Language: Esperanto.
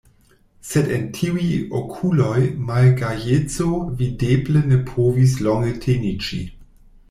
Sed en tiuj okuloj malgajeco videble ne povis longe teniĝi.